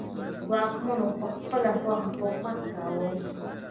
واکمنو په خپله خوښه حکومت کاوه.